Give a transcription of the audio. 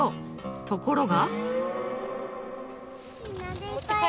ところが。